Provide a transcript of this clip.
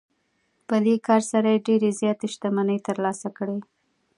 په دې کار سره یې ډېرې زیاتې شتمنۍ ترلاسه کړې